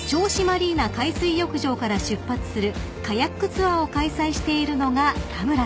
マリーナ海水浴場から出発するカヤックツアーを開催しているのが田村さん］